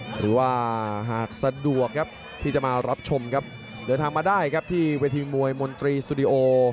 หรือว่าหากสะดวกครับที่จะมารับชมครับเดินทางมาได้ครับที่เวทีมวยมนตรีสตูดิโอ